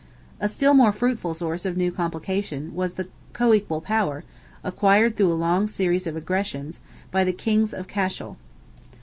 A still more fruitful source of new complications was the co equal power, acquired through a long series of aggressions, by the kings of Cashel.